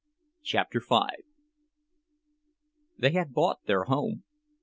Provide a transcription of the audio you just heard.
CHAPTER V They had bought their home.